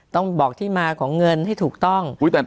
ต้องบอกที่มาของเงินให้ถูกต้อง